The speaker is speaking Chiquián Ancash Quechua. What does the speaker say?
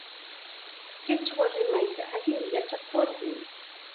Qichwa rimayta allim yachakurqun.